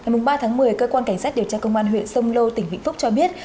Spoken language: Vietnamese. ngày ba tháng một mươi cơ quan cảnh sát điều tra công an huyện sông lô tỉnh vĩnh phúc cho biết